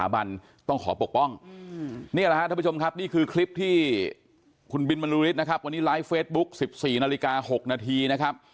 วันนี้ไลฟ์เฟสบุ๊ค๑๔นาฬิกา๖นาทีนะครับ